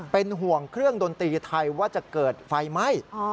เป็นห่วงเครื่องดนตรีไทยว่าจะเกิดไฟไหม้